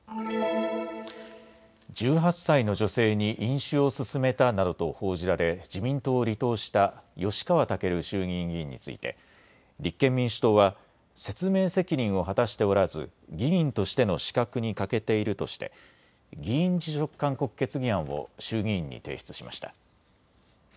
１８歳の女性に飲酒を勧めたなどと報じられ自民党を離党した吉川赳衆議院議員について立憲民主党は説明責任を果たしておらず議員としての資格に欠けているとして議員辞職勧告決議案を衆議院に提出しました。